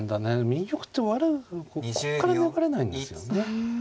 右玉ってここから粘れないんですよね。